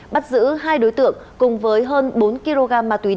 bắt giữ hai đối tượng cùng với hơn bốn kg